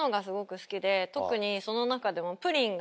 特にその中でも。